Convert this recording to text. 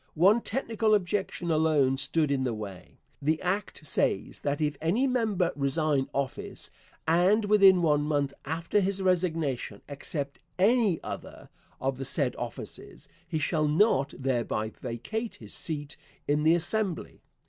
One technical objection alone stood in the way. The Act says that if any member resign office, and within one month after his resignation accept any other of the said offices, he shall not thereby vacate his seat in the Assembly.